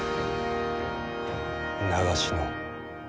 長篠。